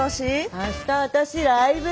明日私ライブ！